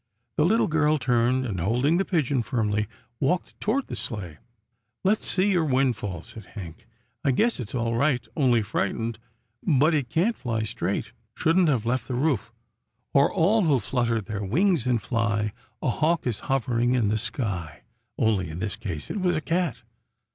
The little girl turned, and, holding the pigeon firmly, walked toward the sleigh. " Let's see your windfall," said Hank. " I guess it's all right — only frightened, but it can't fly straight. Shouldn't have left the roof —' O'er all who flutter their wings and fly, a hawk is hovering in the sky,' only in this case, it was a cat."